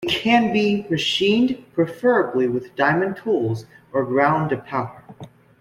It can be machined, preferably with diamond tools, or ground to powder.